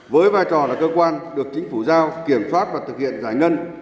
với vai trò là cơ quan được chính phủ giao kiểm soát và thực hiện giải ngân